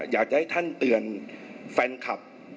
อยากจะให้ท่านเตือนแฟนคลับ